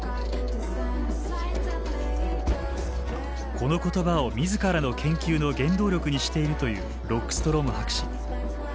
この言葉を自らの研究の原動力にしているというロックストローム博士。